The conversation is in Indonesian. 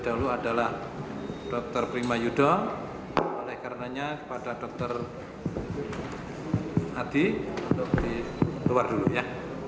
dahulu adalah dr prima yudho oleh karenanya kepada dokter adi untuk di luar dulu ya